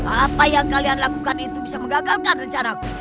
apa yang kalian lakukan itu bisa mengagalkan rencanaku